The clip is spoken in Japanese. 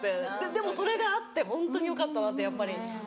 でもそれがあってホントによかったなってやっぱり。